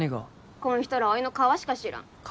こん人らおいの皮しか知らん皮？